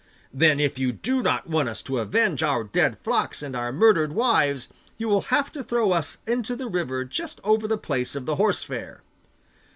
'Then if you do not want us to avenge our dead flocks and our murdered wives, you will have to throw us into the river just over the place of the horse fair.